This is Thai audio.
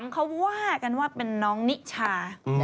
เขาว่ากันว่าเป็นน้องนิชา